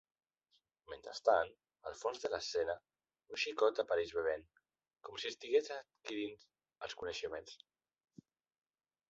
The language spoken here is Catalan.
Mentrestant, al fons de l'escena, un xicot apareix bevent, com si estigués adquirint els coneixements.